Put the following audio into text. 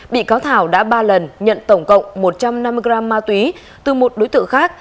bị cáo thảo đã ba lần nhận tổng cộng một trăm năm mươi gram ma túy từ một đối tượng khác